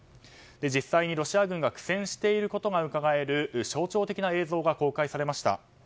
実際にロシア軍が苦戦していることがうかがえる象徴的な映像が公開されました。